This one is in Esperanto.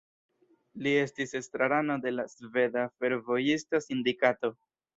Li estis estrarano de la Sveda Fervojista Sindikato.